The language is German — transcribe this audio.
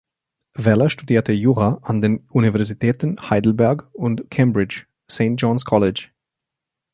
Weller studierte Jura an den Universitäten Heidelberg und Cambridge (St John’s College).